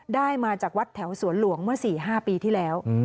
ได้มาจากวัดแถวสวนหลวงเมื่อ๔๕ปีที่แล้ว